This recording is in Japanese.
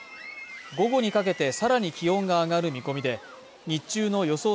午後にかけてさらに気温が上がる見込みで日中の予想